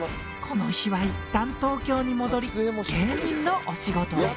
この日は一旦東京に戻り芸人のお仕事へ。